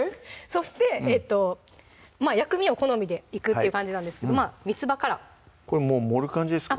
そしてまぁ薬味を好みでいくっていう感じなんですけどまぁみつばからこれもう盛る感じですか？